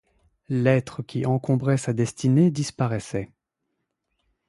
L’être qui encombrait sa destinée disparaissait.